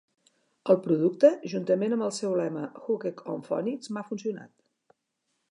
El producte, juntament amb el seu lema Hooked on Phonics, m'ha funcionat.